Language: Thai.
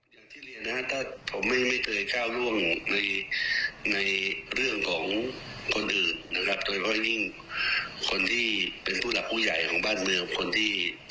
การกลับสินใจที่ท่านไตรตรองดูแลว่าท่านจะเอาแบบนี้